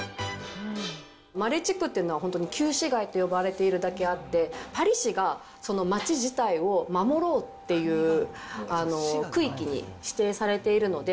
マレ地区っていうのは本当に旧市街って呼ばれてるだけあって、パリ市がその街自体を守ろうっていう区域に指定されているので、